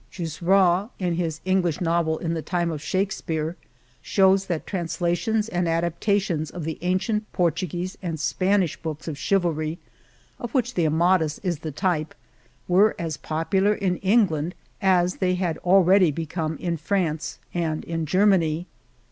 Tusserand, in his English Novel in the Time of Shakespeare," shows that translations and adaptations of the ancient Portuguese and Spanish books of chivalry, of which the Amadis" is the type, were as popular in England as they had already be come in France and in Germany.